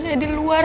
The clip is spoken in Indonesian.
saya di luar